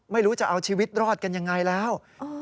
ไม่รู้จะเอาชีวิตรอดกันยังไงแล้ว